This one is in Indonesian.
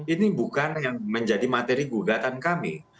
ini bukan yang menjadi materi gugatan kami